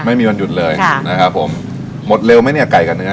ไม่มีวันหยุดเลยค่ะนะครับผมหมดเร็วไหมเนี่ยไก่กับเนื้อ